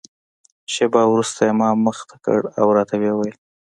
شېبه وروسته یې ما ته مخ کړ او راته ویې ویل.